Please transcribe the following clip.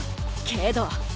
けど。